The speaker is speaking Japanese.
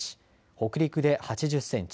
北陸で８０センチ